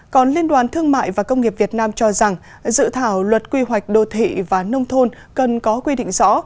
còn liên đoàn thương mại và công nghiệp việt nam cho rằng dự thảo luật quy hoạch đô thị và nông thôn cần có quy định rõ